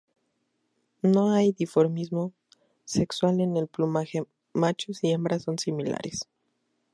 No hay dimorfismo sexual en el plumaje: machos y hembras son similares.